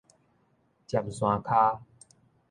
尖山跤